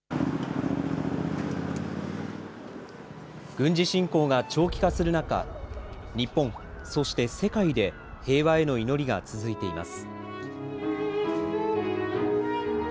軍事侵攻が長期化する中、日本、そして世界で平和への祈りが続いています。